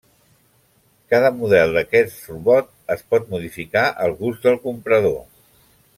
Cada model d'aquest robot es pot modificar al gust del comprador.